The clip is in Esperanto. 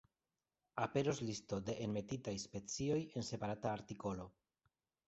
Aperos listo de enmetitaj specioj en separata artikolo.